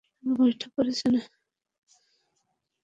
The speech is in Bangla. আইডিআরএ এরই মধ্যে বিষয়টি নিয়ে সাধারণ বীমা করপোরেশনের সঙ্গে বৈঠক করেছে।